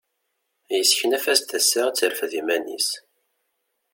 Yesseknaf-as-d tasa ad d-terfed iman-is.